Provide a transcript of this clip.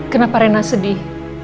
kenapa rena sedih